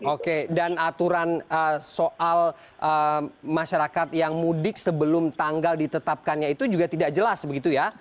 oke dan aturan soal masyarakat yang mudik sebelum tanggal ditetapkannya itu juga tidak jelas begitu ya